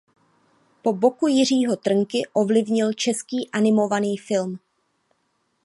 Po boku Jiřího Trnky ovlivnil český animovaný film.